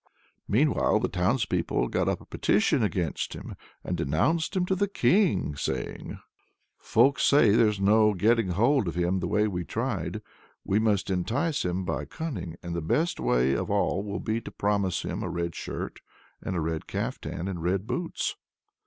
Meanwhile, the townspeople got up a petition against him, and denounced him to the King, saying: "Folks say there's no getting hold of him the way we tried; we must entice him by cunning, and the best way of all will be to promise him a red shirt, and a red caftan, and red boots."